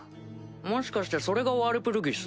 もしかしてそれがワルプルギス？